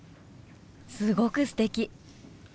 すごくすてき！